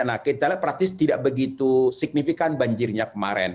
nah kita lihat praktis tidak begitu signifikan banjirnya kemarin